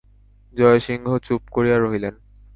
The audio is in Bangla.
জয়সিংহ চুপ করিয়া রহিলেন।